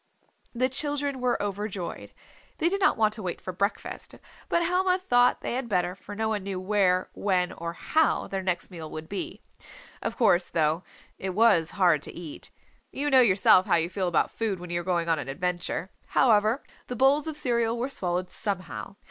The children were overjoyed. They did not want to wait for breakfast. But Helma thought they had better, for no one knew where, when or how their next meal would be. Of course, though, it was hard to eat. You know yourself how you feel about food when you are going on an adventure. However the bowls of cereal were swallowed somehow.